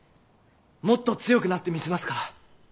もっと強くなってみせますから。